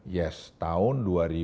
yes tahun dua ribu dua